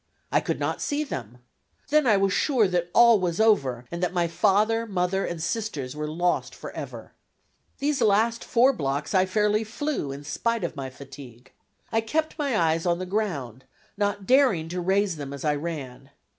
I could not see them! Then I was sure that all was over, and that my father, mother, and sisters were lost forever. These last four blocks I fairly flew, in spite of my fatigue. I kept my eyes on the ground, not daring to raise them as I ran.